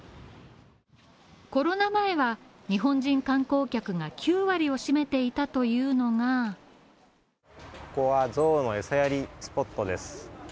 コロナ前は日本人観光客が９割を占めていたというのがここはゾウの餌やりスポットです。